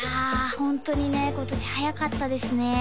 ホントにね今年早かったですね